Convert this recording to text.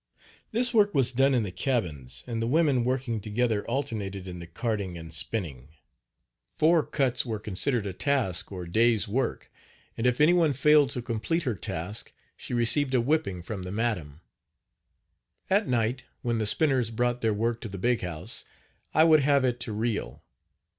This work was done in the cabins, and the women working together alternated in the carding and spinning. Four cuts were considered a task or day's work, and if any one failed to complete her task she received a whipping from the madam. At night when the spinners brought their work to the big house I would have it to reel.